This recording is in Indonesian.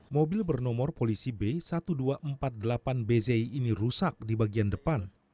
mobil bernomor polisi b seribu dua ratus empat puluh delapan bz ini rusak di bagian depan